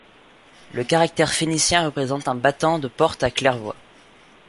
Le caractère phénicien représente un battant de porte à claire-voie.